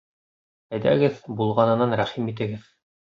Әйҙәгеҙ, булғанынан рәхим итегеҙ.